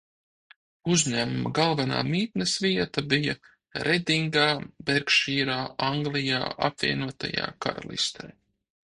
Uzņēmuma galvenā mītnes vieta bija Redingā, Bērkšīrā, Anglijā, Apvienotajā Karalistē.